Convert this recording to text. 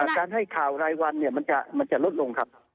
การให้ข่าวรายวันมันจะลดลงครับ